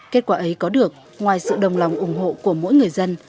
kết quả ấy có được ngoài sự đồng lòng ủng hộ của mỗi người dân